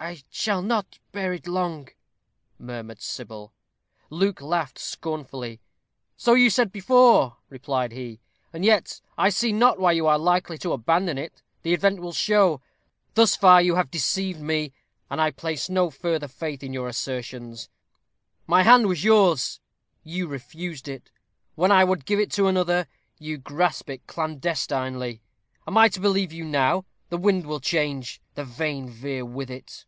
"I shall not bear it long," murmured Sybil. Luke laughed scornfully, "So you said before," replied he; "and yet I see not why you are likely to abandon it. The event will show. Thus far you have deceived me, and I place no further faith in your assertions. My hand was yours; you refused it. When I would give it to another, you grasp it clandestinely. Am I to believe you now? The wind will change the vane veer with it."